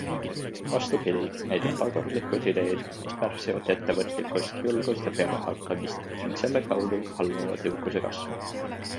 Vastupidi, need on tagurlikud ideed, mis pärsivad ettevõtlikkust, julgust ja pealehakkamist ning selle kaudu halvavad jõukuse kasvu.